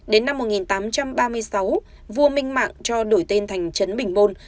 đến năm một nghìn tám trăm ba mươi sáu vua minh mạng cho đổi tên thành trấn bình môn